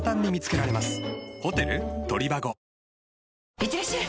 いってらっしゃい！